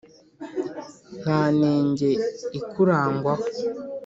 nta nenge ikurangwaho!